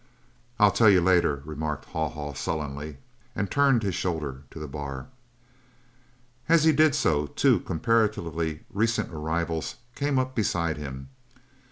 "I'll tell you later," remarked Haw Haw sullenly, and turned his shoulder to the bar. As he did so two comparatively recent arrivals came up beside him.